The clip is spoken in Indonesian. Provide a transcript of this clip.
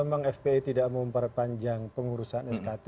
memang fpi tidak memperpanjang pengurusan skt